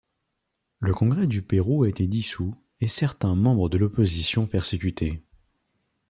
Le Congrès du Pérou a été dissous et certains membres de l'opposition persécutés.